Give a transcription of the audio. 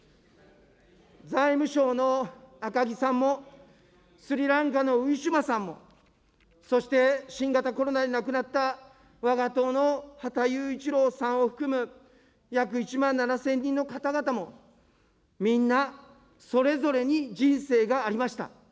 財務省の赤木さんも、スリランカのウィシュマさんも、そして新型コロナで亡くなったわが党の羽田雄一郎さんを含む約１万７０００人の方々も、みんなそれぞれに人生がありました。